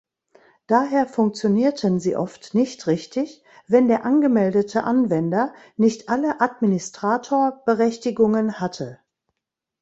Daher funktionierten sie oft nicht richtig, wenn der angemeldete Anwender nicht alle Administrator-Berechtigungen hatte.